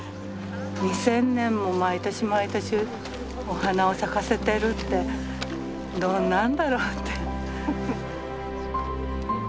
２，０００年も毎年毎年お花を咲かせてるってどんなんだろうって。